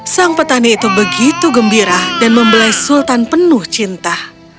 sang petani itu begitu gembira dan membelai sultan penuh cinta